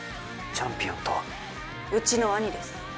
チャンピオンとはうちの兄です